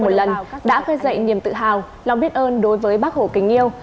một lần đã khơi dậy niềm tự hào lòng biết ơn đối với bác hồ kính yêu